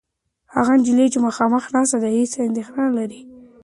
هغه نجلۍ چې مخامخ ناسته ده، هېڅ اندېښنه نهلري.